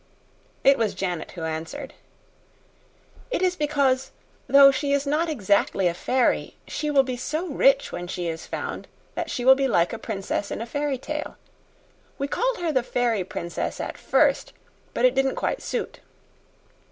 It was Janet who answered. "It is because, though she is not exactly a fairy, she will be so rich when she is found that she will be like a princess in a fairy tale. We called her the fairy princess at first, but it didn't quite suit."